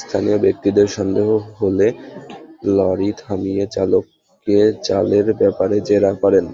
স্থানীয় ব্যক্তিদের সন্দেহ হলে লরি থামিয়ে চালককে চালের ব্যাপারে জেরা করেন।